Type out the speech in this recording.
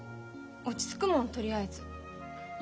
落ち着くもんとりあえず。